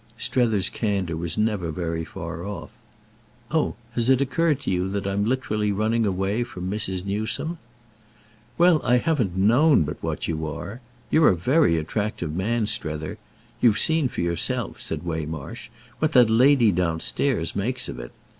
Strether's candour was never very far off. "Oh it has occurred to you that I'm literally running away from Mrs. Newsome?" "Well, I haven't known but what you are. You're a very attractive man, Strether. You've seen for yourself," said Waymarsh "what that lady downstairs makes of it.